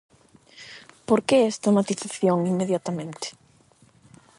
Por que esta matización, inmediatamente?